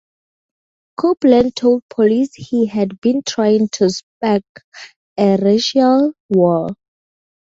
Copeland told police he had been trying to spark a racial war.